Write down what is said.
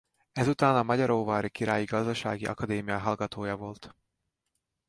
Ezután a Magyaróvári Királyi Gazdasági Akadémia hallgatója volt.